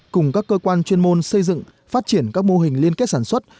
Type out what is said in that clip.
cùng các cơ quan chuyên môn xây dựng phát triển các mô hình liên kết sản xuất